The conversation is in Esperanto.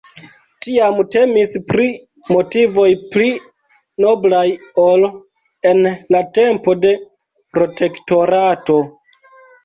Tiam temis pri motivoj pli noblaj ol en la tempo de Protektorato.